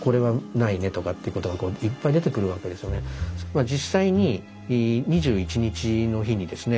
まあ実際に２１日の日にですね